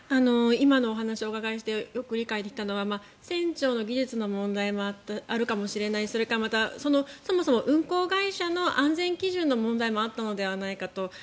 今のお話をお伺いしてよく理解できたのは船長の技術の問題もあるかもしれないしそれからそもそも運航会社の安全基準の問題もあったのではないかと。